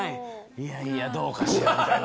いやいや、どうかしらみたいな。